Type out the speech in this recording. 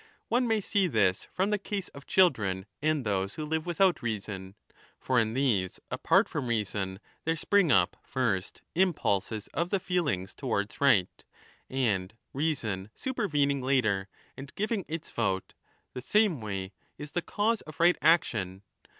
One may see this from the case of children and those who live without reason. For in these, apart from reason, there spring up, first, impulses of the feelings 25 towards right, and reason supervening later and giving its vote the same way is the cause of right action.